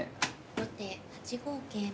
後手８五桂馬。